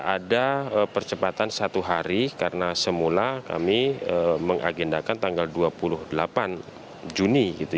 ada percepatan satu hari karena semula kami mengagendakan tanggal dua puluh delapan juni